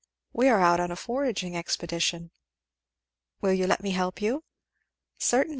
"We are out on a foraging expedition." "Will you let me help you?" "Certainly!